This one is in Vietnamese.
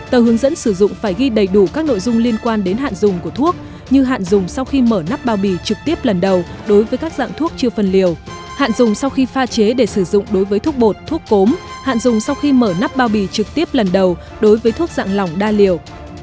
tờ hướng dẫn sử dụng phải ghi đầy đủ các nội dung liên quan đến hạn dùng của thuốc như hạn dùng sau khi mở nắp bao bì trực tiếp lần đầu đối với các dạng thuốc chưa phân liều hạn dùng sau khi pha chế để sử dụng đối với thuốc bột thuốc cốm hạn dùng sau khi mở nắp bao bì trực tiếp lần đầu đối với thuốc dạng lỏng đa liều